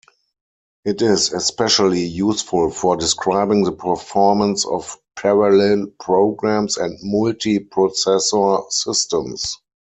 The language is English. It is especially useful for describing the performance of parallel programs and multi-processor systems.